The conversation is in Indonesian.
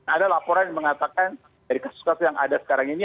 ada laporan yang mengatakan dari kasus kasus yang ada sekarang ini